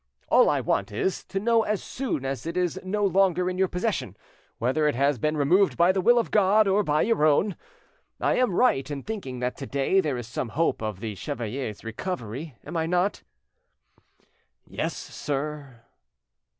All I want is, to know as soon as it is no longer in your possession, whether it has been removed by the will of God or by your own, I am right in thinking that to day there is some hope of the chevalier's recovery, am I not?" "Yes, Sir."